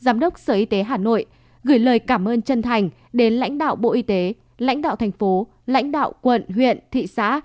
giám đốc sở y tế hà nội gửi lời cảm ơn chân thành đến lãnh đạo bộ y tế lãnh đạo thành phố lãnh đạo quận huyện thị xã